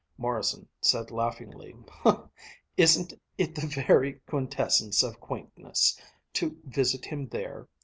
Morrison said laughingly: "Isn't it the very quintessence of quaintness to visit him there!